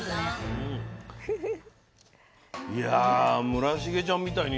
村重ちゃんみたいにね